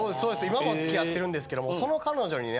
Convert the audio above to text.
今も付き合ってるんですけどもその彼女にね